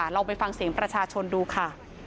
ลองไปฟังเสียงประชาชนดูค่ะ